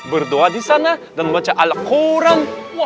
berdoa di sana dan membaca al quran